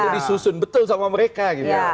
disusun betul sama mereka gitu ya